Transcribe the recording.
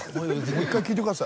もう一回聞いてください。